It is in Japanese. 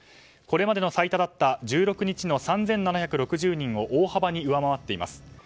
これまでの最多だった１６日の３７６０人を大幅に上回っています。